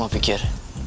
lo semua pikir